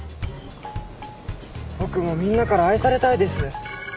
僕もみんなから愛されたいです。